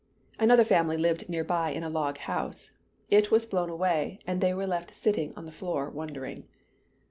Another family lived near by in a log house. It was blown away, and they were left sitting on the floor, wondering.